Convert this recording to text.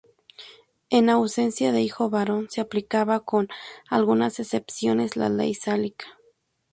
En ausencia de hijo varón, se aplicaba, con algunas excepciones, la ley sálica.